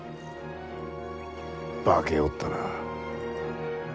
化けおったな。